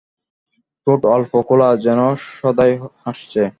ঠোঁট অল্প খোলা, যেন সদাই হাসছে।